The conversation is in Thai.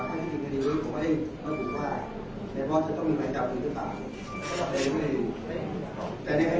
ทำไมพนักการสอบสวนถึงไม่หาที่มาสอบตัวเหล็กสักตัวเนี่ยตั้งแต่ตอนที่สอบสวนต่อมานะครับ